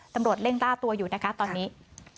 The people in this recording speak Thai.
ตำรวจเร่งล่าตัวอยู่นะคะตอนนี้